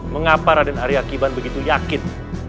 mengapa raden arya qiban begitu yakin